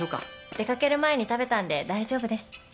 出掛ける前に食べたんで大丈夫です。